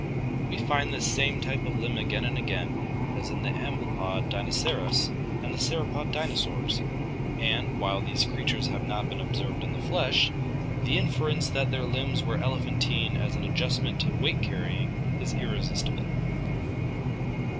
We find this same type of limb again and again, as in the amblypod Dinoceras and the sauropod dinosaurs, and, while these creatures have not been observed in the flesh, the inference that their limbs were elephantine as an adjustment to weight carrying is irresistible.